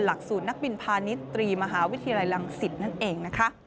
หลักสูตรนักบินพาณิตรีมหาวิทยาลัยรังสิทธิ์นั่นเอง